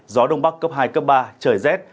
gió đông bắc cấp hai cấp ba trời rét